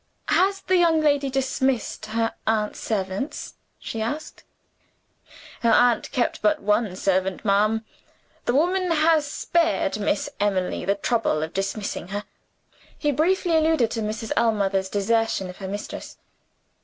"Has the young lady dismissed her aunt's servants?" she asked. "Her aunt kept but one servant, ma'am. The woman has spared Miss Emily the trouble of dismissing her." He briefly alluded to Mrs. Ellmother's desertion of her mistress.